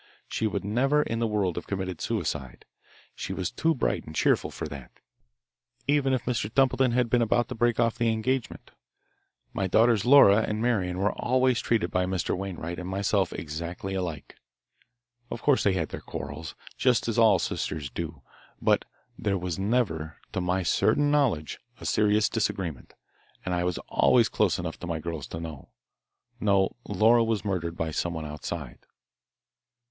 She would never in the world have committed suicide. She was too bright and cheerful for that, even if Mr. Templeton had been about to break off the engagement. My daughters Laura and Marian were always treated by Mr. Wainwright and myself exactly alike. Of course they had their quarrels, just as all sisters do, but there was never, to my certain knowledge, a serious disagreement, and I was always close enough to my girls to know. No, Laura was murdered by someone outside."